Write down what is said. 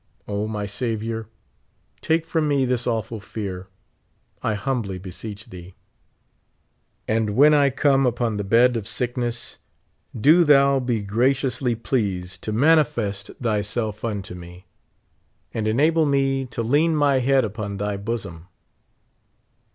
O, my Saviour, take from me this awful fear, I humbly beseech thee ; and when I come upon the bed of sickness, do thou be graciously pleased to manifest thy 54 self unto me, and enable me to lean my head upon thy bosom.